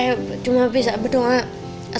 saya cuma bisa berdoa